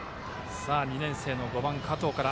２年生の５番、加藤から。